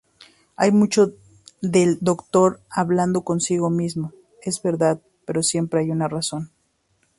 Hay mucho del Doctor 'hablando consigo mismo', es verdad, pero siempre hay una razón".